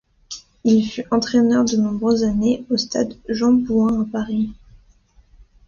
Il fut entraîneur de nombreuses années au stade Jean-Bouin à Paris.